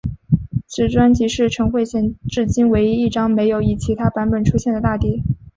此专辑是陈慧娴至今唯一一张没有以其他版本出现的大碟。